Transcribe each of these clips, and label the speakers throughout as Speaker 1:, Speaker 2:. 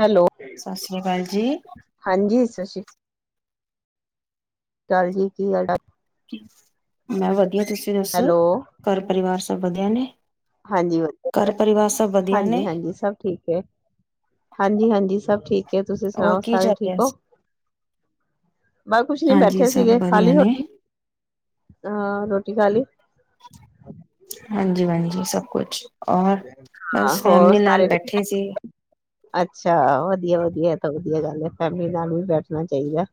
Speaker 1: Hello
Speaker 2: ਸਤਿ ਸ੍ਰੀ ਅਕਾਲ ਜੀ
Speaker 1: ਹਾਂਜੀ ਸਤਿ ਸ਼੍ਰੀਾਲ ਚਾਲਜੀੀ ਕੀ ਗ
Speaker 2: ਮੈਂ ਵਧੀਆ ਤੁਸੀਂ ਦੱਸੋ
Speaker 1: ਹੈਲੋ
Speaker 2: ਘਰ ਪਰਿਵਾਰ ਵਧੀਆ ਨੇ
Speaker 1: ਹਾਂਜੀ ਵਧੀਆ
Speaker 2: ਘਰ ਪਰਿਵਾਰ ਸਭ ਵਧੀਆ
Speaker 1: ਹਾਂਜੀ
Speaker 2: ਨੇ
Speaker 1: ਹਾਂਜੀ ਸਭ ਠੀਕ ਹੈ ਹਾਂਜੀ ਹਾਂਜੀ ਸਭ ਠੀਕ ਕੀ ਤੁਸੀਂ
Speaker 2: ਔਰ
Speaker 1: ਸੁਣਾਓ
Speaker 2: ਕੀ
Speaker 1: ਸਾਰੇ
Speaker 2: ਚੱਲ
Speaker 1: ਠੀਕ
Speaker 2: ਰਿਹਾ
Speaker 1: ਹੋ
Speaker 2: ਸੀ?
Speaker 1: ਬ ਕੁਛ ਨੀ
Speaker 2: ਹਾਂਜੀ
Speaker 1: ਬੈਠੇ
Speaker 2: ਸਭ
Speaker 1: ਸੀਗੇ ਖਾਲੀ
Speaker 2: ਵਧੀਆ ਨੇ
Speaker 1: ਰੋਟੀ ਹਾਂ ਰੋਟੀ ਖਾਲ ਲਈ
Speaker 2: ਹਾਂਜੀ ਹਾਂਜੀ ਸਭ ਕੁਛ ਔਰ
Speaker 1: ਹਾਂ
Speaker 2: ਬਸ
Speaker 1: ਹੋਰ
Speaker 2: ਫੈਮਲੀ ਨਾਲ
Speaker 1: ਸਾਰੇ
Speaker 2: ਬੈਠੇ ਸੀ
Speaker 1: ਠੀਕਠਾਕ ਅੱਛਾ ਵਧੀਆ ਵਧੀਆ ਵਧੀਆ ਤਾਂ ਵਧੀਆ ਗੱਲ ਹੈ ਫੈਮਲੀ ਨਾਲ ਵੀ ਬੈਠਣਾ ਚਾਹੀਦਾ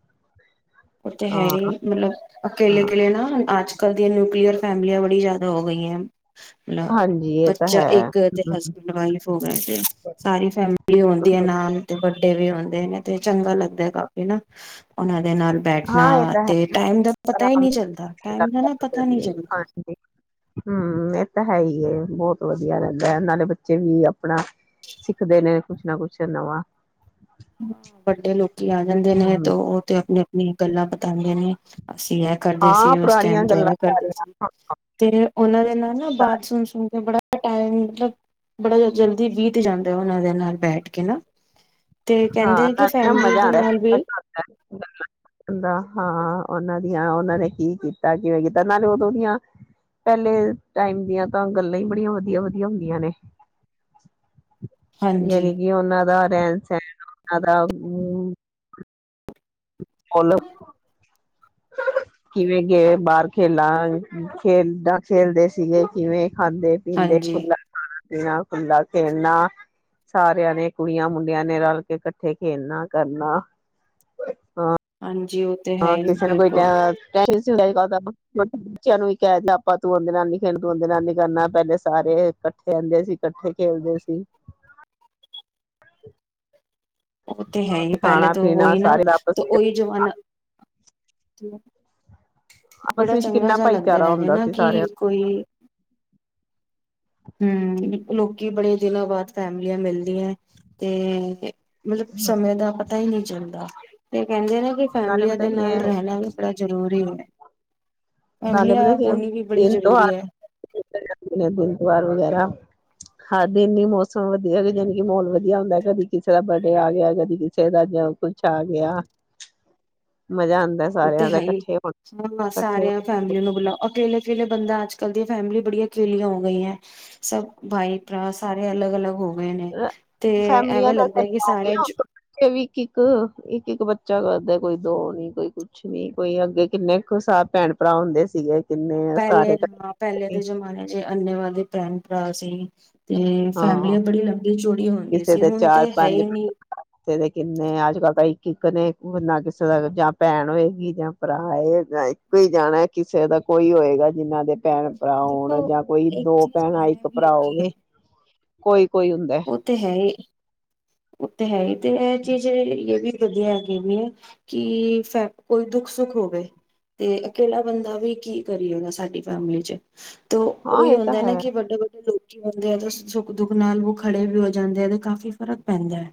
Speaker 2: ਉੱਥੇ ਹੈ
Speaker 1: ਹਾਂ
Speaker 2: ਹੀ ਮਤਲਬ ਅਕੇਲੇ
Speaker 1: ਹਾਂ
Speaker 2: ਕਿਲੇ ਨਾ ਅੱਜ ਕੱਲ ਦੀਆਂ ਨਿਊਕਲੀਅਰ ਫੈਮਲੀਆਂ ਬੜੀ ਜਿਆਦਾ ਹੋ ਗਈਆਂ ਮਤਲਬ
Speaker 1: ਹਾਂਜੀ ਇਹ ਤਾਂ
Speaker 2: ਬੱਚਾ
Speaker 1: ਹੈ
Speaker 2: ਇੱਕ ਤੇ ਹਸਬੈਂਡ ਵਾਈਫ ਹੋ ਗਿਆ ਤੇ ਸਾਰੀ ਫੈਮਲੀ ਆਉਂਦੀ ਹੈ ਨਾਲ ਤੇ ਵੱਡੇ ਵੀ ਹੁੰਦੇ ਨੇ ਤੇ ਚੰਗਾ ਲੱਗਦਾ ਕਾਫੀ ਨਾ ਉਹਨਾਂ ਦੇ ਬੈਠਣਾ
Speaker 1: ਹਾਂ ਇਹ ਤਾਂ ਹੈ
Speaker 2: ਤੇ ਟਾਈਮ ਦਾ ਪਤਾ ਹੀ
Speaker 1: ਆਰਾਮ
Speaker 2: ਨਹੀਂੀ ਚੱਲਦਾ
Speaker 1: ਨਾਲ
Speaker 2: ਟਮ ਦਾ ਨਾ
Speaker 1: ਗੱਲਬਾਤ
Speaker 2: ਪਤਾ ਨਹੀਂੀ
Speaker 1: ਕਰਨੀ
Speaker 2: ਚੱਲਦਾ
Speaker 1: ਹਾਂਜੀ ਹਮ ਇਹ ਤਾਂ ਹੈ ਹੀ ਹੈ, ਬਹੁਤ ਵਧੀਆ ਰਹਿੰਦਾ ਹੈ ਨਾਲੇ ਬੱਚੇ ਵੀ ਆਪਣਾ ਸਿੱਖਦੇ ਨੇ ਕੁਛ ਨਾ ਕੁਛ ਨਵਾਂ
Speaker 2: ਹ ਵੱਡੇ ਲੋਕੀ ਆ ਜਾਂਦੇ ਨੇ ਤੇ
Speaker 1: ਹੂੰ,
Speaker 2: ਉਹ ਤੇ ਆਪਣੇ ਗੱਲਾਂ ਪਤਾ ਵੀ ਨੇ ਅਸੀਂ ਇਹ ਕਰਦੇ
Speaker 1: ਹਾਂ
Speaker 2: ਸੀ ਉਸ
Speaker 1: ਪੁਰਾਣੀਆਂ
Speaker 2: ਟਾਈਮ ਤੇ
Speaker 1: ਗੱਲਾਂ
Speaker 2: ਇਹ ਕਰਦੇ
Speaker 1: ਸਾਰੀਆਂ
Speaker 2: ਸੀ ਤੇ ਉਹਨਾਂ ਦੇ ਨਾਲ ਨਾ
Speaker 1: ਸਾਰ
Speaker 2: ਬਾਤ ਸੁਣ ਸੁਣ ਕੇ ਬੜਾ ਟਮ ਮਤਲਬ ਬੜਾ ਜਲਦੀ ਬ ਤੇ ਜਾਂਦਾ ਉਹਨਾਂ ਦੇ ਨਾਲ ਬੈਠ ਕੇ ਨਾ ਤੇ
Speaker 1: ਹਾਂ
Speaker 2: ਕਹਿੰਦੇ ਕਿ
Speaker 1: ਨ
Speaker 2: ਫੈਮਿਲੀ
Speaker 1: ਮਜ਼ਾ
Speaker 2: ਦੇ ਨਾਲ ਵੀ
Speaker 1: ਆਉਂਦਾਦਾ ਹਾਂ ਉਹਨਾਂ ਆਂ ਉਹਨਾਂ ਨੇ ਕੀ ਕੀਤਾ ਕਿਵੇਂ ਕੀਤਾ ਨਾਲੇ ਉਦੋਂ ਦੀਆਂ ਪਹਿਲੇ ਟਾਈਮ ਦੀਆਂ ਤਾਂ ਗੱਲਾਂ ਹੀ ਬੜੀਆਂ ਵਧੀਆ ਵਧੀਆ ਹੁੰਦੀਆਂ ਨੇ
Speaker 2: ਹਾਂਜੀ
Speaker 1: ਐਕ ਉਹਨਾਂ ਦਾਾ ਫੈਂਸ ਸਦਾ ਕੁੱਲ ਕਿਵੇਂ ਗ ਬਾਹਰ ਖੇਲਾਂ ਖੇਲਦਾ ਖੇਲਦੇ ਸੀਗੇ ਕਿਵੇਂ ਖਾਂਦੇ ਪੀਂਦੇ
Speaker 2: ਹਾਂਜੀ
Speaker 1: ਫੁੱਲਾਂ ਖ ਖੁੱਲਾ ਖੇਲਣਾ ਸਾਰਿਆਂ ਨੇ ਕੁੜੀਆਂ ਮੁੰਡਿਆਂ ਨੇ ਰਲ ਕੇ ਕੱਠੇ ਖੇਲਣਾ ਕਰਨਾ ਹਾਂ
Speaker 2: ਹਾਂਜੀ ਉਹ ਤੇ ਹੈ
Speaker 1: ਹਾਂ
Speaker 2: ਹੀ
Speaker 1: ਕਿਸੇ ਨੂੰ ਕੋਈ ਤਾਂ
Speaker 2: ਬਿਲਕੁਲ
Speaker 1: ਅੱਜ ਕੱਲ ਤਾਂ ਬੱਚਿਆਂ ਨੂੰ ਵੀ ਕਹਿ ਆਪਾਂ ਤੂੰ ਆਦੇ ਨਾਨੀ ਖੇਣ ਤੂੰ ਆਦੇ ਨਾਨੀ ਕਰਨਾ ਪਹਿਲੇ ਸਾਰੇ ਇਕੱਠੇ ਰਹਿੰਦੇ ਸੀ ਇਕੱਠੇ ਖੇਲਦੇ ਸੀ
Speaker 2: ਉਹ ਤੇ ਹੈ ਹੀ, ਪਹਿਲੇ
Speaker 1: ਖਾਣਾ
Speaker 2: ਤਾਂ
Speaker 1: ਪੀਣਾ
Speaker 2: ਉਹਹੀ ਨਾ
Speaker 1: ਸਾਰੇ ਦਾ ਆਪਸ
Speaker 2: ਉਹੀ ਜੋ ਹਨ ਨਾ ਠੀ [inaudible]
Speaker 1: ਆਪਸ
Speaker 2: ਬੜਾ
Speaker 1: ਵਿੱਚ
Speaker 2: ਚੰਗਾ
Speaker 1: ਕਿੰਨਾ
Speaker 2: ਜਿਹਾ ਲੱਗਦਾ,
Speaker 1: ਭਾਈਚਾਰਾ
Speaker 2: ਹੈ ਜੇ
Speaker 1: ਹੁੰਦਾ
Speaker 2: ਨਾ
Speaker 1: ਸੀ
Speaker 2: ਕਿ
Speaker 1: ਸਾਰਿਆਂ
Speaker 2: ਕੋਈ ਹਮ, ਲੋਕੀ ਬੜੇ ਦਿਨਾਂ ਬਾਅਦ ਫੈਮਲੀਆਂ ਮਿਲਦੀਆਂ ਤੇ ਮਤਲਬ, ਸਮੇਂ ਦਾ ਪਤਾ ਹੀ ਨਹੀਂ ਚੱਲਦਾ। ਹਮ [inaudible] ਕਹਿੰਦੇ ਨੇ ਕਿ,
Speaker 1: ਦਾ। ਨਾਲੇ
Speaker 2: ਫੈਮਲੀਆਂ
Speaker 1: ਪਤਾ
Speaker 2: ਦੇ
Speaker 1: ਕੀ
Speaker 2: ਨਾਲ
Speaker 1: ਹੈ
Speaker 2: ਰਹਿਣਾ ਵੀ ਬੜਾ ਜਰੂਰੀ ਹੈ।
Speaker 1: ਨਾਲੇ ਪਤਾ
Speaker 2: ਫੈਮਲੀਆਂ
Speaker 1: ਕਿ,
Speaker 2: ਹੋਣੀ ਵੀ ਬੜੀ
Speaker 1: ਦਿਨ ਤੋਂ
Speaker 2: ਜ਼ਰੂਰੀ ਹੈ
Speaker 1: ਦਿਨ ਤੋਂ ਵਾਰ ਵਗੈ ਹਾਂ ਦਿਨਨੀ ਮੌਸਮ ਵਧੀਆ, ਜਾਣੀ ਕਿ ਮਾਹੌਲ ਵਧੀਆ ਹੁੰਦਾ। ਕਦੀ ਕਿਸੇ ਦਾ ਬਰਡੇ ਆ ਗਿਆ, ਕਦੀ ਕਿਸੇ ਦਾ, ਜਾਂ ਕੁਛ ਆ ਗਿਆ ਮਜ਼ਾ ਆਂਦਾ ਸਾਰਿਆਂ ਦਾ ਕੱਠੇ ਹੋਣਾ। ਕੱਠੇ ਹੋ-
Speaker 2: ਫੈਮਿਲੀਆ ਨੂੰ ਬੁਲਾ ਅਕੇਲੇ ਅਕੇਲੇ ਬੰਦਾ ਅੱਜ -ਕੱਲ ਦੀਆ ਫੈਮਲੀ ਬੜੀਆਂ ਅਕੇਲੀਆਂ ਹੋ ਗਈ ਏ। ਸਭ ਭਾਈ ਭਰਾ ਸਾਰੇ ਅਲੱਗ ਅਲੱਗ ਹੋ ਗਏ ਨੇ ਤੇ
Speaker 1: ਫੈਮਲੀਆਂ
Speaker 2: ਐਵੇਂ
Speaker 1: ਦਾ ਵੀ
Speaker 2: ਲੱਗਦਾ
Speaker 1: ਇੱਕਲੀ
Speaker 2: ਕਿ
Speaker 1: ਹੋ
Speaker 2: ਸਾਰੇ
Speaker 1: ਗੀਆਂ, ਉਤੋਂ ਬੱਚੇ ਵੀ ਇੱਕ ਇੱਕ, ਇੱਕ ਇੱਕ ਬਚ- ਚਾ ਕਰਦੇ ਕੋਈ ਦੋ ਨੀ ਕੋਈ ਕੁਛ ਨੀ, ਕੋਈ ਅੱਗੇ ਕਿੰਨੇ ਕੁ ਸ ਭੈਣ ਭਰਾ ਹੁੰਦੇ ਸੀਗੇ। ਕਿੰਨੇ ਸਾਰੇ
Speaker 2: ਪਹਿਲੇ
Speaker 1: ਇਕੱਠੇ
Speaker 2: -ਪਹਿਲੇ ਦੇ
Speaker 1: ਸੀ,
Speaker 2: ਜਮਾਨੇ ਚ ਅੰਨੇਵਾ ਦੇ ਭੈਣ ਭਰਾ ਸੀ [inaudible] ਤੇ
Speaker 1: ਹਾਂ
Speaker 2: ਫੈਮਲਿਂਆਂ ਬੜੀ ਲੰਬੀ ਚੋੜੀ ਹੁੰਦੀ
Speaker 1: ਕਿਸੇ
Speaker 2: ਸੀ,
Speaker 1: ਦੇ
Speaker 2: ਹੁਣ
Speaker 1: ਚਾਰ
Speaker 2: ਤੇ ਹੈ
Speaker 1: ਪੰਜ
Speaker 2: ਈ ਨੀ।
Speaker 1: ਕਿ ਕਦੇ ਨਾ ਕਿਸੇ ਦਾ ਜਾਂ ਭੈਣ ਹੋਏਗੀ ਜਾਂ ਭਰਾ ਹੈ, ਜਾਂ ਇੱਕੋ ਹੀ ਜਾਣਾ, ਕਿਸੇ ਦਾ ਕੋਈ ਹੋਏਗਾ ਜਿੰਹਨਾਂ ਦੇ ਭੈਣ ਭਰਾ
Speaker 2: ਦੇਖੋ
Speaker 1: ਹੋਣ, ਜਾਂ ਕੋਈ
Speaker 2: ਇੱਕ
Speaker 1: ਦੋ
Speaker 2: ਚੀਜ਼
Speaker 1: ਭੈਣਾਂ,
Speaker 2: ਐ ਵੀ
Speaker 1: ਭਰਾ
Speaker 2: ਹੈਗੀ ਹੈ
Speaker 1: ਹੋਵੇ। ਕੋਈ
Speaker 2: ਉਹ ਤੇ ਹੈ ਈ। ਉਹ ਤੇ ਹੈ ਈ ਤੇ ਇਹ ਚੀਜ਼ ਵਲੀ ਇਹ ਵੀ ਵਧੀਆ ਕੀ ਨੀ ਏ, ਕਿ ਫ ਕੋਈ ਦੁੱਖ ਸੁੱਖ ਹੋਵੇ ਤੇ ਅਕੇਲਾ ਬੰਦਾ ਵੀ ਕੀ ਕਰੇਗਾ, ਸਾਡੀ ਫੈਮਿਲੀ ਚ- ਤੇ
Speaker 1: ਹਾਂ
Speaker 2: ਉਹੀ
Speaker 1: ਇਹ ਤਾਂ
Speaker 2: ਹੁੰਦਾ ਨਾ
Speaker 1: ਹੈ
Speaker 2: ਕਿ ਵੱਡੇ ਵੱਡੇ ਲੋਕ ਹੁੰਦੇ ਆ, ਤੇ ਸੁੱਖ -ਦੁੱਖ ਨਾਲ ਉਹ ਖੜੇ ਵੀ ਹੋ ਜਾਂਦੇ ਨੇ, ਤੇ ਕਾਫੀ [inaudible] ਪੈਂਦਾ ਹੈ,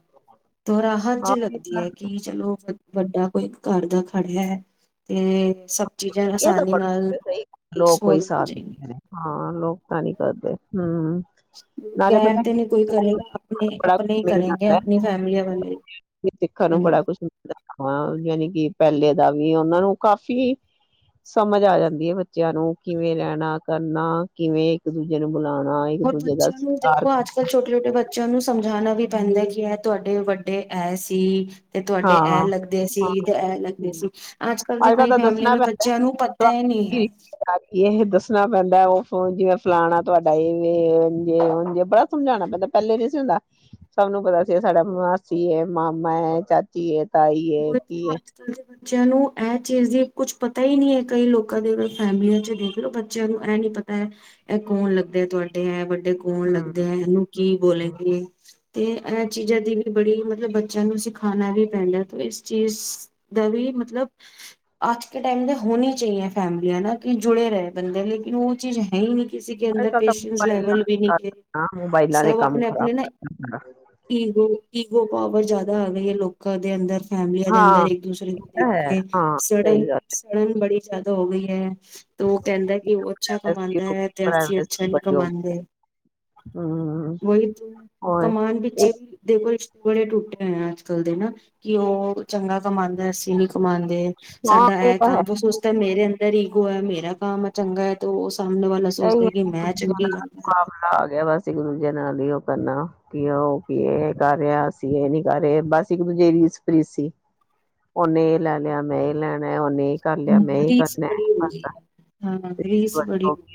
Speaker 2: ਤੇ ਰਾਹਤ
Speaker 1: ਹਾਂ
Speaker 2: ਜੀ
Speaker 1: ਇਹ
Speaker 2: ਲੱਗਦੀ
Speaker 1: ਤਾਂ
Speaker 2: ਏ ਕੀ ਚਲੋ ਵੱਡਾ ਕੋਈ ਘਰ ਦਾ ਖੜਿਆ ਹੈ ਤੇ- ਸਭ ਚੀਜ਼ਾਂ
Speaker 1: ਇਹ ਤਾਂ
Speaker 2: ਆਸਾਨੀ ਨਾਲ
Speaker 1: ਬੜਾ ਸਹੀ ਲੋਕ ਕੋਈ
Speaker 2: ਸੋਲਵ ਹੋ
Speaker 1: ਸਾਥ
Speaker 2: ਜਾਏਂਗੀ।
Speaker 1: ਹਾਂ ਲੋਕ ਤਾਂ ਨੀ ਕਰਦੇ, ਹੂ। ਨਾਲੇ
Speaker 2: ਗੈਰ
Speaker 1: ਪਤਾ
Speaker 2: ਤੇ
Speaker 1: ਕੀ
Speaker 2: ਨਹੀਂ ਕੋਈ ਕਰੇਗਾ ਆਪਣੇ
Speaker 1: ਬੜਾ
Speaker 2: ਆਪਣੇ
Speaker 1: ਕੁਛ
Speaker 2: ਹੀ
Speaker 1: ਮਿਲ
Speaker 2: ਕਰੇਗੇ
Speaker 1: ਜਾਂਦਾ,
Speaker 2: ਆਪਣੀ ਫੈਮਲੀਆਂ ਵਾਲੇ।
Speaker 1: ਸਿੱਖਣ ਨੂੰ ਬੜਾ ਕੁਛ ਮਿਲ ਜਾਂਦਾ, ਹਾਂ ਯਾਨੀ ਕਿ ਪਹਿਲੇ ਦਾ ਵੀ ਉਹਨਾਂ ਨੂੰ ਕਾਫ਼ੀ ਸਮਝ ਆ ਜਾਂਦੀ ਏ ਬੱਚਿਆਂ ਨੂੰ, ਕਿਵੇਂ ਰਹਿਣਾ, ਕਰਨਾ, ਕਿਵੇਂ ਇੱਕ ਦੂਜੇ ਨੂੰ ਬੁਲਾਉਣਾ ਇੱਕ
Speaker 2: ਹੋਰ
Speaker 1: ਦੂਜੇ ਦਾ
Speaker 2: ਬੱਚਿਆਂ ਨੂੰ
Speaker 1: ਸਤਿਕਾਰ
Speaker 2: ਦੇਖੋ, ਅੱਜ ਕੱਲ੍ਹ ਛੋਟੇ ਛੋਟੇ ਬੱਚਿਆਂ ਨੂੰ ਸਮਝਾਣਾ ਵੀ ਪੈਂਦਾ ਕੀ- ਕਿ ਤੁਹਾਡੇ ਵੱਡੇ ਐ ਸੀ। ਤੇ ਤੁਹਾਡੇ
Speaker 1: ਹਾਂ
Speaker 2: ਇਹ
Speaker 1: ਹਾਂ
Speaker 2: ਲੱਗਦੇ ਸੀ, ਤੇ ਇਹ ਲੱਗਦੇ ਸੀ। ਅੱਜ ਕੱਲ੍ਹ ਦੇ
Speaker 1: ਕੱਲ
Speaker 2: ਕਈ
Speaker 1: ਤਾਂ
Speaker 2: ਫੈਮਲੀਆਂ
Speaker 1: ਦੱਸਣਾ ਪੈਂਦਾ
Speaker 2: ਬੱਚਿਆਂ ਨੂੰ ਪਤਾ ਈ ਨਹੀਂ
Speaker 1: ਤੁਹਾਡੀ
Speaker 2: ਹੈ।
Speaker 1: ਰਿਸ਼ਤੇਦਾਰੀ ਇਹ ਦੱਸਣਾ ਪੈਂਦਾ ਉਹ ਜਿਵੇਂ ਫਲਾਣਾ ਤੁਹਾਡਾ ਏ ਵੇ, ਉਂਜ ਜੇ ਬੜਾ ਸਮਝਾਣਾ ਪੈਂਦਾ। ਪਹਿਲੇ ਨੀ ਸੀ ਹੁੰਦਾ। ਸਭ ਨੂੰ ਪਤਾ ਸੀ ਸਾਡਾ ਮਾਸੀ ਏ, ਮਾਮਾ ਏ, ਚਾਚ- [unintelligible] ਤਾਈ ਏ
Speaker 2: ਉਹੀ
Speaker 1: ਕੀ
Speaker 2: ਤਾਂ
Speaker 1: ਏ।
Speaker 2: ਅੱਜ-ਕੱਲ੍ਹ ਦੇ ਬੱਚਿਆਂ ਨੂੰ ਇਹ ਚੀਜ਼ ਦੀ ਕੁਛ ਪਤਾ ਈ ਨੀ ਐ। ਕਈ ਲੋਕਾਂ ਦੇ ਫੈਮਲੀਆਂ ਚ ਦੇਖ ਲਓ ਬੱਚਿਆਂ ਨੂੰ ਇਹ ਨੀ ਪਤਾ ਐ ਕੌਣ ਲੱਗਦਾ ਤੁਹਾਡੇ। ਐ ਵੱਡ- ਡੇ ਕੌਣ
Speaker 1: ਹੂੰ
Speaker 2: ਲੱਗਦੇ ਐ? ਇਨੂੰ ਕੀ ਬੋਲਗੇ? ਤੇ ਐ ਚੀਜ਼ਾਂ ਦੀ ਵੀ ਬੜੀ ਮਤਲਬ ਬੱਚਿਆਂ ਨੂੰ ਸਿਖਾਣਾ ਵੀ ਪੈਂਦਾ। ਇਸ ਚੀਜ਼ ਦਾ ਵੀ ਮਤਲਬ ਅੱਜ ਕੇ ਟਾਈਮ ਮੇ ਹੋਣੀ ਚਾਹੀਏ ਫੈਮਲੀਆਂ ਨਾ ਕਿ ਜੁੜੇ ਰਹੇ ਬੰਦੇ। ਲੇਕਿਨ ਉਹ ਚੀਜ਼ ਹੈ ਈ ਨੀ। ਕਿਸੀ ਕੇ
Speaker 1: ਅੱਜ
Speaker 2: ਅੰਦਰ
Speaker 1: ਕੱਲ ਤਾਂ
Speaker 2: ਪੇਸ਼ੈਂਸ ਲੈਵਲ ਵੀ ਨ
Speaker 1: ਮੋਬਾਇਲਾਂ ਮੋਬਾਇਲਾਂ ਨੇ
Speaker 2: ਸਭ
Speaker 1: ਕੰਮ
Speaker 2: ਆਪਣੇ
Speaker 1: ਖ਼ਰਾਬ
Speaker 2: ਆਪਣੇ ਨਾ
Speaker 1: ਕਰਤਾ ਸਾਰਾ।
Speaker 2: ਈਗੋ ਈਗੋ ਪਾਵਰ ਜ਼ਿਆਦਾ ਆ ਗਈ ਹੈ ਲੋਕ ਦੇ ਅੰਦਰ ਫੈਮਲੀਆਂ ਦੇ ਅੰਦਰ
Speaker 1: ਹਾਂ
Speaker 2: ਇੱਕ ਦੂਸਰੇ ਕੋ
Speaker 1: ਇਹ
Speaker 2: ਦੇਖ
Speaker 1: ਤਾਂ ਹੈ
Speaker 2: ਕੇ
Speaker 1: ਹਾਂ
Speaker 2: ਸੜਨ
Speaker 1: ਸਹੀ ਗੱਲ
Speaker 2: ਸੜਨ ਬੜੀ ਜਿਆਦ ਹੋ ਗਈ ਹੈ ਤੇ ਉਹ ਕਹਿੰਦਾ ਕਿ ਉਹ ਅੱਛਾ
Speaker 1: ਪ੍ਰਾਈਵੇਸੀ
Speaker 2: ਕਮਾਉਂਦਾ
Speaker 1: ਹੋ
Speaker 2: ਹੈ
Speaker 1: ਗਈ,
Speaker 2: ਤੇ ਅਸੀਂ ਅੱਛਾ
Speaker 1: ਪ੍ਰਾਈਵੇਸੀ
Speaker 2: ਨਹੀਂ
Speaker 1: ਬੜੀ ਹੋ ਗਈ
Speaker 2: ਕਮਾਉਂਦੇ
Speaker 1: ਹੂੰ
Speaker 2: ਉਹੀ ਤ
Speaker 1: ਹੋਰ
Speaker 2: ਕਮਾਉਣ ਪਿੱਛੇ
Speaker 1: ਇੱਕ
Speaker 2: ਵੀ ਦੇਖੋ ਬੜੇ ਟੁੱਟੇ ਹੋਏ ਆ ਅੱਜ ਕੱਲ ਦੇ ਨਾ ਕਿ ਉਹ ਚੰਗਾ ਕਮਾਉਦਾ ਅਸੀਂ ਨ ਕਮਾਉਂਦੇ
Speaker 1: ਹਾਂ
Speaker 2: ਸਾਡਾ ਇਹ
Speaker 1: ਤਾਂ ਹੈ
Speaker 2: ਕੰਮ ਵਸੂਸ ਤਾਂ ਮੇਰੇ ਅੰਦਰ ਇਧਰ ਈਗੋ ਹੈ ਮੇਰਾ ਕੰਮ ਚੰਗਾ ਹੈ ਤੇ ਉਸ
Speaker 1: ਦੂਜੇ ਦਾ
Speaker 2: ਕਰ ਰਿਹਾ।
Speaker 1: ਮੁਕਾਬਲਾ ਆ ਗਿਆ ਵਾਸ ਇੱਕ ਦੂਜੇ ਨਾਲ ਹੀ ਉਹ ਕਰਨਾ ਕਿ ਉਹ ਕੀ ਇਹ ਕਰ ਰਿਹਾ ਅਸੀਂ ਇਹ ਨੀ ਕਰ ਰਹੇ ਬਸ ਇੱਕ ਦੂਜੇ ਰੀਸਪੀਤ ਸੀ ਉਹਨੇ ਇਹ ਲੈ ਲਿਆ ਮੈਂ ਇਹ ਲੈਣਾ ਮੈਂ ਉਹਨੇ ਹੀ ਕਰ ਲਿਆ ਮੈਂ
Speaker 2: ਰੀਸ
Speaker 1: ਕਰਨਾ
Speaker 2: ਬੜੀ ਹੋ ਗਈ ਹੈ ਹਾਂ ਰੀਸ ਬੜੀ ਹੋ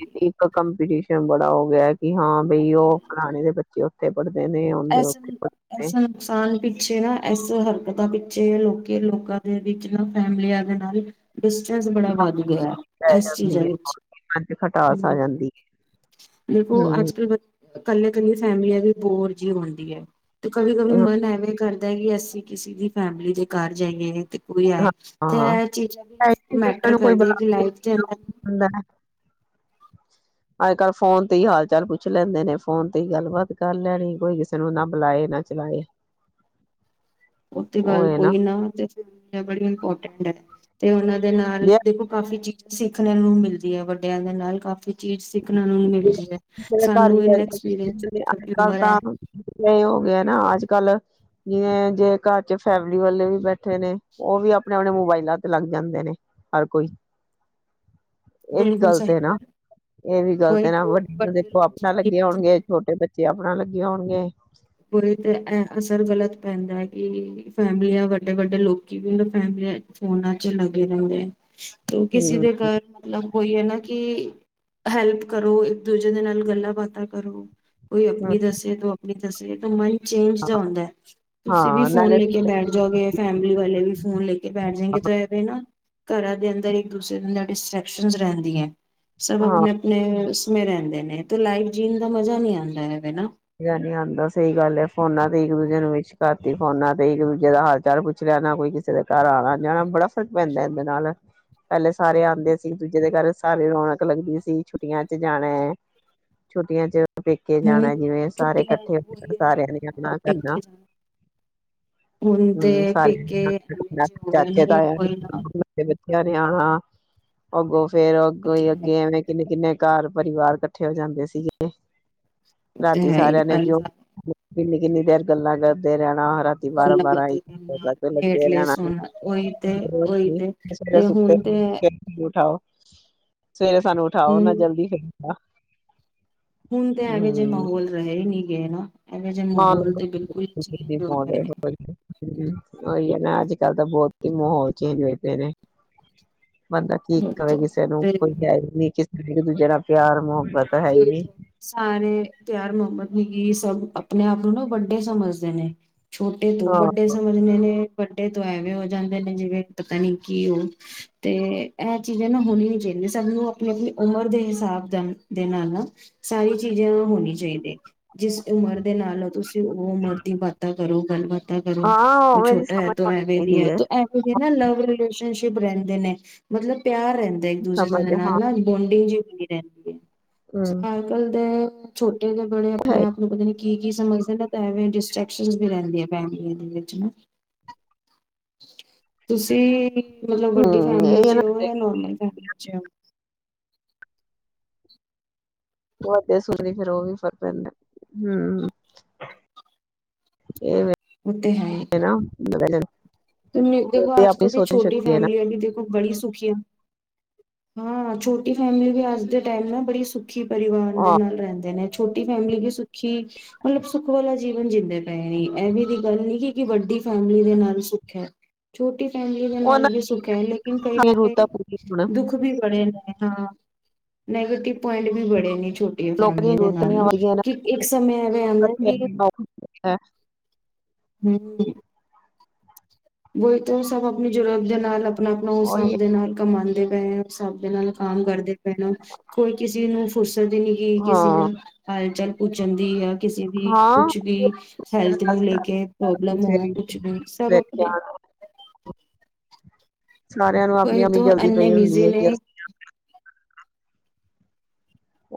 Speaker 1: ਕਮਪੀਟੀਸ਼ਨ ਬੜਾ ਹੋ ਗਿਆ ਹੈ ਵੀ ਹਾਂ ਬਈ ਉਹ ਪੁਰਾਣੇ ਦੇ ਬੱਚੇ ਤੇੜ
Speaker 2: ਐਸਾ ਐਸਾ ਨੁਕਸਾਨ ਪਿੱਛੇ ਨਾ ਇਸ ਹਰਕਤਾਂ ਪਿੱਛੇ ਲੋਕ ਲੋਕਾਂ ਦੇ ਵਿੱਚ ਨਾ ਫੈਮਲੀਆਂ ਦੇ ਨਾਲ ਡਿਸਟੈਂਸ ਬੜਾ ਵੱਧ ਗਿਆ
Speaker 1: ਪੈ
Speaker 2: ਇਸ ਚੀਜ਼ਾਂ
Speaker 1: ਜਾਂਦੀ ਹੈ
Speaker 2: ਵਿੱਚ
Speaker 1: ਮਨ ਚ
Speaker 2: ਹ
Speaker 1: ਖਟਾਸ ਆ ਜਾਂਦੀ ਹੈ
Speaker 2: ਦੇਖੋ
Speaker 1: ਹਮ
Speaker 2: ਅੱਜ ਕੱਲ ਇਕੱਲੇ ਕੱਲੀਆਂ ਫੈਮਲੀਆਂ ਦੇ ਬੋਰ ਜੀ ਹੁੰਦੀ ਹੈ ਕਵ ਕਵੀ ਮਨ ਹੈਵੇ ਕਰ ਕਿ ਅਸੀਂ ਕਿਸੇ ਦੀ ਫੈਮਿਲੀ ਦੇ ਘਰ ਜਾਈਏ ਤੇ
Speaker 1: ਹਾਂ
Speaker 2: ਹੀ ਤੇ
Speaker 1: ਹਾਂ,
Speaker 2: ਇਹ ਚੀਜ਼ਾਂ ਵੀ
Speaker 1: ਹੈ ਹੀ ਨੀ, ਕਿਸੇ
Speaker 2: ਮੈਟਰ
Speaker 1: ਨੂੰ ਕੋਈ
Speaker 2: ਕਰਦੀ ਹੈ
Speaker 1: ਬੁਲਾ
Speaker 2: ਕਿ ਲਾਈਫ ਦੇ ਅੰਦਰ
Speaker 1: ਦਿੰਦਾ ਅੱਜ ਕੱਲ੍ਹ ਫੋਨ ਤੇ ਹੀ ਹਾਲ ਚਾਲ ਪੁੱਛ ਲੈਂਦੇ ਨੇ ਫੋਨ ਤੇ ਹੀ ਗੱਲਬਾਤ ਕਰ ਲੈਣੀ ਕੋਈ ਕਿਸੇ ਨੂੰ ਨਾ ਬੁਲਾਏ ਨਾ ਚਲਾਏ
Speaker 2: ਉਹ ਤੇ ਗੱਲ ਕੋਈ ਨਾ ਤੇ ਫ ਬੜੀ ੋਰਟਟ ਤੇ ਉਹਨਾਂ ਦੇ ਨਾਲ
Speaker 1: ਜੇ
Speaker 2: ਦੇਖੋ ਕਾਫ਼ੀ ਚੀਜ਼ ਸਿੱਖਣ ਨੂੰ ਮਿਲਦੀ ਹੈ ਵੱਡਿਆਂ ਦੇ ਨਾਲ ਕਾਫੀ ਚੀਜ਼ ਸਿੱਖਣਾ ਮਿਲਦੀ ਹੈ
Speaker 1: ਘਰ
Speaker 2: ਸਾਨੂੰ
Speaker 1: ਵੀ
Speaker 2: ਇਹ ਐਕਸਪੀੰਸ
Speaker 1: ਅੱਜ
Speaker 2: ਛੋਟੀ
Speaker 1: ਕੱਲ
Speaker 2: ਉਮਰ ਹੈ
Speaker 1: ਤਾਂ ਇਹ ਹੋ ਗਿਆ ਨਾ ਅੱਜ ਕੱਲ ਜਿਵੇਂ ਜੇ ਘਰ ਚ ਫੈਮਿਲੀ ਵਾਲੇ ਵੀ ਬੈਠੇ ਨੇ ਉਹ ਵੀ ਆਪਣੇ ਆਪਣੇ ਮੋਬਾਇਲਾਂ ਤੇ ਲੱਗ ਜਾਂਦੇ ਨੇ ਹਰ ਕੋਈ ਇਹ ਵੀ
Speaker 2: ਬਿਲਕੁਲ
Speaker 1: ਗੱਲ
Speaker 2: ਸਹੀ
Speaker 1: ਤੇ ਨਾ
Speaker 2: ਹੈ।
Speaker 1: ਇਹ ਵੀ ਗੱਲ
Speaker 2: ਵਹੀ
Speaker 1: ਤੇ ਨਾ
Speaker 2: ਤੋਂ
Speaker 1: ਵੱਡੀਆਂ
Speaker 2: ਵੱਡੇ
Speaker 1: ਦੇਖੋ ਆਪਣਾ ਲੱਗੇ
Speaker 2: ਲੋਕ
Speaker 1: ਹੋਣਗੇ ਛੋਟੇ ਬੱਚੇ ੇ ਆਪਣਾ ਲੱਗੇ ਹੋਣਗੇ
Speaker 2: ਕੋਈ ਤੇ ਇਹ ਅਸਰ ਗ਼ਲਤ ਪੈਂਦਾ ਹੈ ਕਿ ਫੈਮਲੀਆਂ ਵੱਡੇ ਵੱਡੇ ਲੋਕੀ ਵੀ ਉਹ ਫੈਮਲੀਆਂ ਫੋਨਾਂ ਚ ਲੱਗੇ ਰਹਿੰਦੇ ਹੈ ਕਿਸੇ
Speaker 1: ਹਮ
Speaker 2: ਦੇ ਘਰ ਮਤਲਬ ਹੋਈ ਹੈ ਨਾ ਕਿ ਹੈਲਪ ਕਰੋ ਇੱਕ ਦੂਜੇ ਦੇ ਨਾਲ ਗੱਲਾਂ ਬਾਤਾਂ ਕਰੋ ਕੋਈ ਆਪਣੀ ਦੱਸੇ ਤਾਂ ਆਪਣੀ ਦੱਸੇ ਤਾਂਮਾਈ ਚੇਂਜ ਦਾ ਹੁੰਦਾ ਹੈ ਤੁਸੀਂ ਵੀ
Speaker 1: ਹਾਂ
Speaker 2: ਫੋਨ
Speaker 1: ਨਾਲੇ
Speaker 2: ਲੈਕੇ ਬੈਠ ਜਾਓਗੇ ਫੈਮਲੀ ਵਾਲੇ ਵੀ ਫੋਨ ਲੈਕੇ ਬੈਠ ਜਾਗੇਵੇ ਨਾ ਘਰਾਂ ਦੇ ਅੰਦਰ ਇੱਕ ਦੂਸਰੇ ਡਿਸਟਰੈਕਸ਼ਨ ਰਹਿੰਦੀਆਂ ਸਭ
Speaker 1: ਹਾਂ
Speaker 2: ਆਪਣੇ ਆਪਣੇ ਰਹਿੰਦੇ ਨੇ ਤੇ ਲਾਈਵ ਜੀਣ ਦਾ ਮਜ਼ਾ ਨਹੀਂੀ ਆਉਂਦਾ ਹੈਗਾ ਨਾ
Speaker 1: ਨੀ ਆਉਂਦਾ ਸਹੀ ਗੱਲ ਫੋਨਾ ਤੇ ਇੱਕ ਦੂਜੇ ਨੂੰ ਵਿਸ਼ ਕਰਤੀ ਫੋਨਾ ਤੇ ਇੱਕ ਦੂਜੇ ਦਾ ਹਾਲ ਚਾਲ ਪੁੱਛ ਲਿਆ ਨਾ ਕੋਈ ਕਿਸੇ ਦੇ ਘਰ ਆਣਾ ਜਾਣਾ ਬੜਾ ਫਰਕ ਪੈਂਦਾ ਇਹਦੇ ਨਾਲ ਪਹਿਲੇ ਸਾਰੇ ਆਉਂਦੇ ਸੀ ਇੱਕ ਦੂਜੇ ਦੇ ਘਰ ਸਾਰੀ ਰੌਣਕ ਲੱਗਦੀ ਸੀ ਛੁੱਟੀਆਂ ਚ ਜਾਣਾ ਹੈ ਛੁੱਟੀਆਂ ਚ ਪੇਕੇ
Speaker 2: ਹੁਣ
Speaker 1: ਜਾਣਾ ਜਿਵੇਂ ਸਾਰੇ
Speaker 2: ਛੁੱਟੀਆਂ
Speaker 1: ਇਕੱਠੇ ਹੋ
Speaker 2: ਹੋਈ
Speaker 1: ਸਾਰਿਆਂ ਨੇ ਆਪਣਾ ਕਰਨਾ
Speaker 2: ਪੇਕੇ ਹੁਣ ਤੇ
Speaker 1: ਹਮ ਸਾਰਿਆਂ
Speaker 2: ਪੇਕੇ ਐਵੇਂ
Speaker 1: ਨੇਣਾ
Speaker 2: ਜੇ ਹੋ ਗਏ ਨੇ
Speaker 1: ਚਾਚੇ ਤ
Speaker 2: ਕੋਈ
Speaker 1: ਹਰਿਆਣਾ ਹੋਗੋ ਫੇਰ ਅੱਗੋਂ ਹੀਈ
Speaker 2: ਨਾ
Speaker 1: ਅੱਗੇ ਐਵੇਂ ਕਿੰਨੇ ਕਿੰਨੇ ਘਰ ਪਰਿਵਾਰ ਇਕੱਠੇ ਹੋ ਜਾਂਦੇ ਸੀਗੇ
Speaker 2: ਉਹ ਤੇ
Speaker 1: ਰਾਤੀ
Speaker 2: ਹੈ ਹੀ
Speaker 1: ਸਾਰਿਆਂ ਨੇ
Speaker 2: ਪਹਿਲੇ
Speaker 1: ਜਿਉ ਕਿੰਨੀ ਕਿੰਨੀ ਦੇਰ ਗੱਲਾਂ ਕਰਦੇ ਰਹਿਣ ਰਾਤੀ ਬਾਰਾਂ
Speaker 2: ਗੱਲਾਂ
Speaker 1: ਬਾਰਾਂ
Speaker 2: ਬਾਤਾਂ ਕਰਨਾ ਲੇਟ
Speaker 1: ਲੱਗੇ
Speaker 2: ਲੇਟ
Speaker 1: ਰਹਿਣਾ
Speaker 2: ਸੋਣਾ ਉਹੀ ਤੇ ਉਹੀ ਤੇ
Speaker 1: ਸ
Speaker 2: ਤੇ ਹੁਣ ਤੇ
Speaker 1: ਸੁੱਤੇ ਉਠਾਓ ਸਵੇਰੇ ਸਾਨੂੰ ਉਠਾਓ ਨਾ
Speaker 2: ਹੁਣ
Speaker 1: ਜਲਦੀ ਫਿਰ ਹੈ
Speaker 2: ਹੁਣ ਤੇ ਹੈਗੇ ਮਾਹੌਲ ਰਹੇ ਨਹੀਂੀ ਗਏ ਨਾ ਐਵੇਂ ਜੇ ਮਾਹੌਲ ਤੇ ਬਿਲਕੁਲ ਚੇਂਜ ਹੋ ਗਏ ਨੇ
Speaker 1: ਹੀ ਨਾ ਅਜ ਕਲ ਤਾਂ ਬਹੁਤ ਹੀ ਮੁੂੰਹ ਹੋ ਚ ਹਜ ਹੋ ਫ ਬੰਦਾ ਕੀ ਕਵੇ ਕਿਸੇ ਨੂੰ
Speaker 2: ਤੇ
Speaker 1: ਕੋਈ [unintelligible] ਫ ਦੂਜੇ ਨਾਲ ਪਿਆਰ ਮੋਹ
Speaker 2: ਸਾਰੇ ਪਿਆਰ ਮਹੋਬਤ ਯੇਹੀ ਸਭ ਆਪਣੇ ਆਪ ਨੂੰ ਨਾ ਵੱਡੇ ਸਮਝਦੇ ਨੇ। ਛੋਟੇ ਤੋਂ
Speaker 1: ਹਾਂ
Speaker 2: ਵੱਡੇ ਸਮਝਣੇ ਨੇ। ਵੱਡੇ ਤੋਂ ਐਵੇਂ ਹੋ ਜਾਂਦੇ ਨੇ ਜਿਵੇਂ ਪਤਾ ਨੀ ਕੀ ਉਹ ਤੇ ਇਹ ਚੀਜ਼ਾਂ ਨਾ ਹੋਣੀ ਨੀ ਚਾਹੀਦੀਆਂ ਸਾਨੂੰ ਆਪਣੀ ਆਪਣੀ ਉਮਰ ਦੇ ਹਿਸਾਬ ਦਾ ਦੇ ਨਾਲ ਸਾਰੀ ਚੀਜ਼ਾਂ ਹੋਣੀ ਚਾਹੀਦੀਆਂ ਜਿਸ ਉਮਰ ਦੇ ਨਾਲ ਤੁਸੀਂ ਉਹ ਉਮਰ ਦੀ ਬਾਤਾਂ ਕਰੋ ਗੱਲਬਾਤ ਕਰੋ
Speaker 1: ਹਾਂ
Speaker 2: ਕੋਈ
Speaker 1: ਉਵੇਂ ਦੀ
Speaker 2: ਛੋਟਾ
Speaker 1: ਸਮਝ ਹੋਣੀ
Speaker 2: ਹੈ ਅਵੇਦੀ ਹੈ
Speaker 1: ਚਾਹੀਦੀ
Speaker 2: ਅਵੇ ਨਾ ਲਵ ਰਲੇਸ਼ਨਸ਼ਿਪ ਰਹਿੰਦੇ ਨੇ ਮਤਲਬ ਪਿਆਰ ਰਹਿੰਦਾ ਇੱਕ ਦੂਜੇ
Speaker 1: ਸਮਝ
Speaker 2: ਦੇ
Speaker 1: ਹਾਂ
Speaker 2: ਨਾਲ ਨਾ ਬੋਂਡਿੰਗ ਜੀ ਵੀ ਰਹਿੰਦੀ ਹੈ।
Speaker 1: ਹਮ
Speaker 2: ਅੱਜ ਕੱਲ ਦੇ ਛੋਟ ਦੇ ਬੜੇ ਆਪਣੇ ਆਪ ਨੂੰ ਪਤਾ ਨੀ ਕੀ ਕੀ ਕੀ ਸਮਝਦੇ ਨਾ ਤਾਂ ਐਵੇਂ ਡਿਸਟਰ੍ਰੈਕ ਵੀ ਰਹਿੰਦੀ ਫੈਮੀਆਂ ਦੇ ਵਿੱਚ ਨ। ਤੁਸੀਂ ਮਤਲਬ ਵੱਡੀ
Speaker 1: ਹਮ
Speaker 2: ਫੈਮਿਲੀ
Speaker 1: ਇਹ
Speaker 2: ਚ
Speaker 1: ਨਾ
Speaker 2: ਉਹ ਜਾਂ ਨੋਰਮਲ ਫੈਮ ਚ।
Speaker 1: ਉਹਧ ਸੂਰੀ ਫੇਰ ਉਹ ਵੀ ਫਰ ਪੈਂਦਾ, ਹਮ ਹ ਇਹ ਨਾ [unintelligible]
Speaker 2: ਤੁ ਦੇਖੋ
Speaker 1: ਤੇ
Speaker 2: ਆਜ
Speaker 1: ਆਪਣੀ
Speaker 2: ਕੱਲ ਦੀ
Speaker 1: ਸੋਚਣ
Speaker 2: ਛੋਟੀ
Speaker 1: ਸ਼ਕਤੀ ਹੈ ਨਾ
Speaker 2: ਫੈਮਿਲੀਆਂ ਵੀ ਦੇਖੋ ਬੜੀ ਸੁਖੀਆਂ। ਹਾਂ ਛੋਟੀ ਫੈਮਿਲੀ ਵੀ ਅੱਜ ਦੇ ਟਾਈਮ ਨਾਲ ਬੜੀ ਸੁਖ ਖੀ ਪਰਿਵਾਰ ਦੇ
Speaker 1: ਹਾਂ
Speaker 2: ਨਾਲ ਰਹਿੰਦੇ ਨੇ। ਛੋਟੀ ਫੈਮਿਲੀ ਵੀ ਸੁੱਖੀ ਮਤਲਬ ਸੁੱਖ ਵਾਲਾ ਜੀਵਨ ਜਿੰਦੇ ਪਏ ਨੇ ਇਹਵੇ ਦੀ ਗੱਲ ਨੀ ਕਿ ਵੱਡੀ ਫੈਮਿਲੀ ਦੇ ਨਾਲ ਸੁਖ ਹੈ ਛੋਟ ਟੀ ਫੈਮਲੀ ਦੇ ਨਾਲ
Speaker 1: ਉਹਨਾਂ
Speaker 2: ਵੀ ਸੁਖ ਹੈ ਲੇਕਿਨ ਕਈ
Speaker 1: ਦੀਆਂ
Speaker 2: ਨਾ
Speaker 1: ਜ਼ਰੂਰਤਾਂ
Speaker 2: ਕਈ
Speaker 1: ਪੂਰੀਆਂ ਹੋਣ
Speaker 2: ਦੁੱਖ ਵੀ ਬੜੇ ਨੇ ਹਾਂ। ਨੈਗੇਟੀਵ ਪੁਆਇੰਟ ਵੀ ਬੜੇ ਨੇ ਛੋਟੀ
Speaker 1: ਲੋਕਾਂ ਦੀਆਂ
Speaker 2: ਫੈਮਲੀ ਦੇ
Speaker 1: ਜ਼ਰੂਰਤਾਂ
Speaker 2: ਨਾਲ
Speaker 1: ਨੀ
Speaker 2: ਨਾ
Speaker 1: ਵਧੀਆਂ
Speaker 2: ਕਿ ਇੱਕ ਸਮੇਂ ਐਵੇਂ ਆਂਦਾ ਕਿ
Speaker 1: ਨਾ
Speaker 2: ਹਮ ਵੋਹੀ ਤੋਂ ਸਭ ਆਪਣੀ ਜੁਰਤ ਦੇ ਨਾਲ ਆਪਣਾ ਆਪਣਾ ਉਸ
Speaker 1: ਉਹੀ
Speaker 2: ਹਿਸਾਬ ਦੇ ਨਾਲ ਕਮਾਂਦੇ ਹੋ। ਪ ਹਾਬ ਦੇ ਨਾਲ ਕੰਮ ਕਰਦੇ ਪੈਣਾ ਕੋਈ ਕਿਸੇ ਨੂੰ ਫੁਰਸ ਸਤ ਨ ਕਿ ਕਿਸੇ
Speaker 1: ਹਾਂ
Speaker 2: ਨੇ ਹਾਲ ਚਾਲ ਉ ਜਾਂਦੀ ਆ ਕਿਸੇ ਦੀ
Speaker 1: ਹਾਂ
Speaker 2: ਕੁਛ ਵੀ ਹੈਲਥ ਨੂੰ ਲੈ ਕੇ ਪ੍ਰੋਬਲਮ ਹੋ ਕੁਛ ਵੀ ਸਭ ਆਪਣੇ
Speaker 1: ਸਾਰਿਆਂ ਨੂੰ, ਆਪਨੀ
Speaker 2: ਵਹੀ
Speaker 1: ਆਪਨੀ
Speaker 2: ਤੋਂ
Speaker 1: ਜਲਦੀ
Speaker 2: ਇੰਨੇ
Speaker 1: ਪਈ ਹੁੰਦੀ
Speaker 2: ਬਿਜ਼ੀ
Speaker 1: ਏ
Speaker 2: ਨੇ
Speaker 1: ਕਿ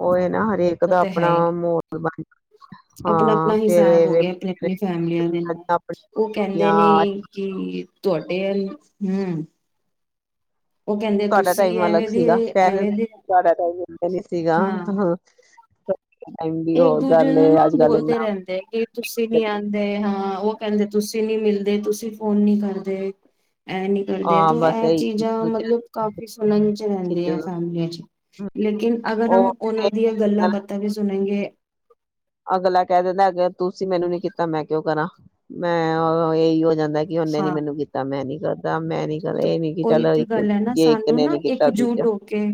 Speaker 1: ਉਹ ਇਹ ਨਾ ਹਰੇਕ ਦਾ ਆਪਣਾ ਮਾਹੋਲ ਬਣ
Speaker 2: ਆਪਨਾ
Speaker 1: ਹਾਂ
Speaker 2: ਆਪਨਾ
Speaker 1: ਫੇਰ
Speaker 2: ਹਿਸਾਬ ਹੋ ਗਿਆ, ਆਪਨੇ ਆਪਨੀ ਫੈਮਲੀਆਂ ਦੇ ਨਾਲ ਉਹ ਕਹਿੰਦੇ ਨੇ
Speaker 1: ਆਪਣੀਆਂ
Speaker 2: ਕਿ ਤੂੰ ਅਟੇਲ ਹਮ [inaudible]
Speaker 1: ਤੁਹਾਡਾ ਟਾਈਮ ਅਲੱਗ ਸੀਗਾ, ਕਹਿ
Speaker 2: ਐਵੇਂ
Speaker 1: ਦਿੰਦੇ
Speaker 2: ਦੇ
Speaker 1: ਤੁਡਾ ਟਮ ਨੀ ਸੀਗਾ
Speaker 2: ਹਾਂ
Speaker 1: ਟਾਈਮ ਦੀ
Speaker 2: ਇੱਕ
Speaker 1: ਹੋਰ
Speaker 2: ਦੂਜੇ
Speaker 1: ਗੱਲ ਏ
Speaker 2: ਨੂੰ ਨਾ
Speaker 1: ਅੱਜ ਕੱਲ
Speaker 2: ਬੋਲਦੇ
Speaker 1: ਇੰਨਾ
Speaker 2: ਰਹਿੰਦੇ ਕਿ, ਤੁਸੀਂ ਨੀ ਆੰਦੇ ਹਾਂ ਉਹ ਕਹਿੰਦੇ ਤੁਸੀਂ ਨੀ ਮਿਲਦੇ, ਤੁਸੀਂ ਫੋਨ ਨੀ ਕਰਦੇ ਇਹ ਨੀ ਕਰਦੇ
Speaker 1: ਹਾਂ
Speaker 2: ਤੇ
Speaker 1: ਬਸ
Speaker 2: ਇਹ
Speaker 1: ਇਹੀ
Speaker 2: ਚੀਜ਼ਾਂ ਮਤਲਬ ਕਾਫੀ ਸੁਣਨ ਚ ਰਹਿੰਦੇ
Speaker 1: ਖਿੱਚ
Speaker 2: ਆ ਫੈਮਲੀਆਂ ਚ, ਲੇਕਿਨ ਅਗਰ ਹਮ
Speaker 1: ਉਹ
Speaker 2: ਉਹਨਾਂ ਦੀਆਂ ਗੱਲਾਂ ਬਾਤਾਂ ਵੀ ਸੁਣ ਹਗੇ [inaudible]
Speaker 1: ਅਗਲਾ ਕਹਿ ਦਿੰਦਾ ਅ ਤੁਸੀਂ ਮੈਨੂੰ ਨੀ ਕੀਤਾ, ਮੈਂ ਕਿਉਂ ਕਰਾਂ ਮੈਂ ਇਹੀ ਹੋ ਜਾਂਦਾ। ਦਾ ਕਿ ਉਹਨੇ ਨੀ ਮੈਨੂੰ ਕੀਤਾ ਮੈਂ ਨੀ ਕਰਦਾ ਮੈਂ ਨੀ ਕਰਦਾ ਇਹ ਨੀ ਕਿ
Speaker 2: ਕੋਈ
Speaker 1: ਚੱਲ
Speaker 2: ਤੇ
Speaker 1: ਇੱਕ
Speaker 2: ਗੱਲ ਹੈ ਨਾ,
Speaker 1: ਜੇ ਇੱਕ
Speaker 2: ਸਾਨੂੰ
Speaker 1: ਨੇ
Speaker 2: ਨਾ
Speaker 1: ਨੀ
Speaker 2: ਇੱਕ
Speaker 1: ਕੀਤਾ ਦੂਜਾ
Speaker 2: ਜੂਟ ਹੋ ਕੇ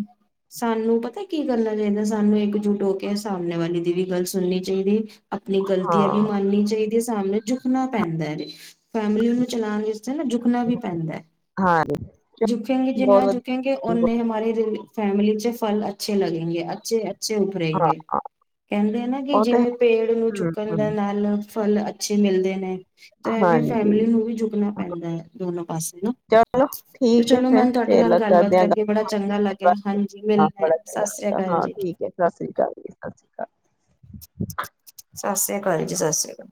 Speaker 2: ਸਾਨੂੰ ਪਤਾ ਕੀ ਗੱਲਾਂ ਚਾਦਾ ਸਾਨੂੰ ਇੱਕਜੁੱਟ ਹੋ ਕੇ, ਸਾਮਣੇ ਵਾਲੀ ਦੀ ਵੀ ਗੱਲ ਸੁਨਨੀ ਚਾਹੀਦੀ ਅਪਨੀ ਗਲਤੀਆਂ ਵੀ
Speaker 1: ਹਾਂ
Speaker 2: ਮੰਨਨੀ ਚਾਹੀਦੀਆਂ। ਸਾਹਮਣੇ ਝੁਕਨਾ ਪੈਂਦਾ ਜ, ਫੈਮਿਲੀ ਨੂੰ ਚਲਾਉਣ ਲਈ। ਨਾ ਜੁਕਣਾ ਵੀ ਪੈਂਦਾ
Speaker 1: ਹਾਂਜੀ।
Speaker 2: ਝੁਕੇਗੇ ਜਿੰਨਾ ਝੁਕੇੰਗੇ, ਓਨੇ ਹਮਾਰੇ ਫੈਮਿਲਲੀ ਚ ਫਲ ਅੱਛੇ ਲਗਗੇਗੇ ਅੱਛੇ [inaudible] ਬੱਚੇ ਉਭਰੇ
Speaker 1: ਹਾਂ
Speaker 2: ਗ ਕਹਿੰਦੇ ਆ ਨਾ ਕਿ,
Speaker 1: ਉਹ ਤਾਂ ਹੈ
Speaker 2: ਜਿਵੇਂ ਪੇੜ ਨੂੰ ਚੁੱਕਣ ਦੇ
Speaker 1: ਹਮ
Speaker 2: ਨਾਲ ਫਲ ਅੱਛੇ ਮਿਲਦੇ ਨੇ ਤਾਂ ਫਿਰ
Speaker 1: ਹਾਂਜੀ
Speaker 2: ਫੈਮਲੀ ਨੂੰ ਵੀ ਜੁਕਣਾ ਪੈਂਦਾ ਹੈ, ਦੋਨੋ ਪਾਸੇ ਨਾ
Speaker 1: ਚਲੋ
Speaker 2: ਤੇ
Speaker 1: ਠੀਕ ਹੈ
Speaker 2: ਚਲੋ
Speaker 1: ਫਿਰ
Speaker 2: ਮੈਨੂੰ ਤੁਹਾਡੇ
Speaker 1: ਫੇਰ
Speaker 2: ਨਾਲ ਗੱਲਬਾਤ
Speaker 1: ਕਰਦੇਿਆਂ ਗਲ
Speaker 2: ਕਰਕੇ ਬੜਾ
Speaker 1: ਹਾਂ ਠੀਕ
Speaker 2: ਚੰਗਾ
Speaker 1: ਹੈ,
Speaker 2: ਲੱਗਿਆ ਹਾਂਜੀ ਮਿਲਣਾ ਸਤਿ ਸ੍ਰੀ ਅਕਾਲ ਜੀ
Speaker 1: ਸਤਿ ਸ੍ਰੀ ਅਕਾਲ ਜੀ -ਸਤਿ ਸ਼੍ਰੀ ਅਕਾਲ।
Speaker 2: ਸਤ ਸ੍ਰੀ -ਅਕਾਲ ਜੀ, ਸਤਿ ਸ੍ਰੀ ਅਕਾਲ।